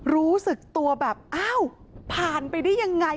รู้สึกตัวแบบอ้าวผ่านไปได้ยังไง